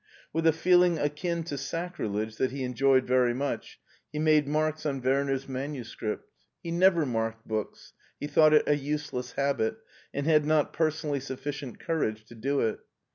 With a feeling akin to sacrilege, that he enjoyed very much, he made marks on Wer ner's manuscript He never marked books; he thought it a useless habit, and had not personally sufficient courage to do it.